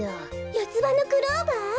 よつばのクローバー？